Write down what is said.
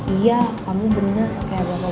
iya kamu benar kayak bapak bapak